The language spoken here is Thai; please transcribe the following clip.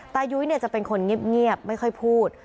ตายุ้ยจะเป็นคนเงียบไม่ค่อยพูด